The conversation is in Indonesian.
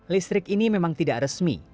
listrik ini memang tidak resmi